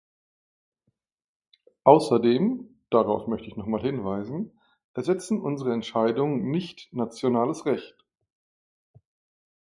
Außerdem, darauf möchte ich nochmals hinweisen, ersetzen unsere Entscheidungen nicht nationales Recht.